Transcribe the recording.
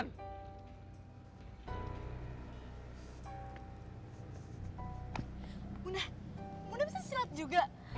muda muda bisa silat juga